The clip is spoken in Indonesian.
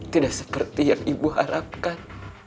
tidak seperti yang ibu harapkan